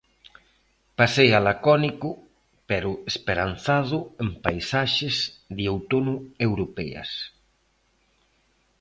Pasea lacónico, pero esperanzado en paisaxes de outono europeas.